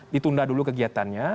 ditunda dulu kegiatannya